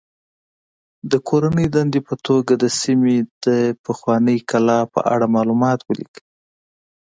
د کورنۍ دندې په توګه د سیمې د پخوانۍ کلا په اړه معلومات ولیکئ.